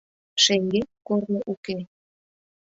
Шеҥгек корно уке.